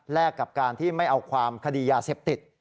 กับการที่ไม่เอาความคดียาเสพติด